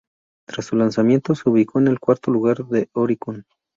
Tras su lanzamiento, se ubicó en el cuarto lugar de Oricon.